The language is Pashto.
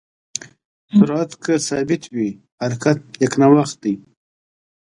سرعت که ثابت وي، حرکت یکنواخت دی.